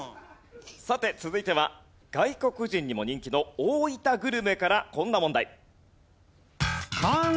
さて続いては外国人にも人気の大分グルメからこんな問題。